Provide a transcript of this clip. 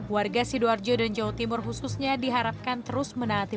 warga sidoarjo dan jawa timur khususnya diharapkan terus menaati